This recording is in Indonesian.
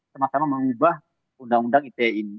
sama sama mengubah undang undang ite ini